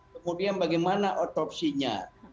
kemudian bagaimana otopsinya